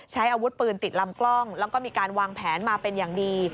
ใช้อาวุธปืนติดลำกล้องแล้วก็มีการวางแผนมาเป็นอย่างดี